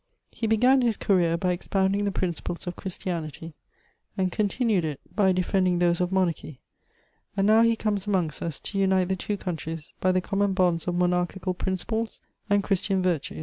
He began his career by expounding the principles of Christianity, and continued it by defending those of monarchy; and now he comes amongst us to unite the two countries by the common bonds of monarchical principles and Christian virtues."